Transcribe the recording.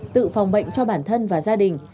tự phòng bệnh cho bản thân và gia đình